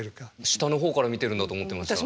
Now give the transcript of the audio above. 下の方から見てるんだと思ってました。